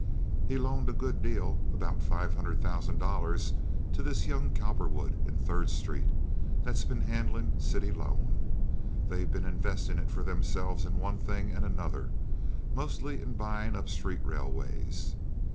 "He's loaned a good deal—about five hundred thousand dollars to this young Cowperwood in Third Street, that's been handlin' city loan. They've been investin' it for themselves in one thing and another—mostly in buyin' up street railways."